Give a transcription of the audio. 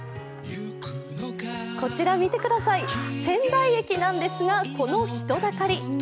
こちら見てください、仙台駅なんですが、この人だかり。